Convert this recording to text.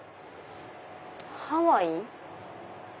ハワイ？